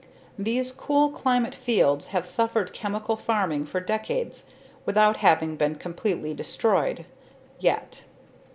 These cool climate fields have suffered chemical farming for decades without having been completely destroyed yet.